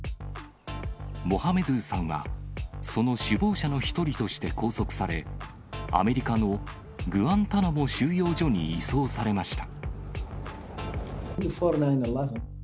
モハメドゥさんは、その首謀者の一人として拘束され、アメリカのグアンタナモ収容所に移送されました。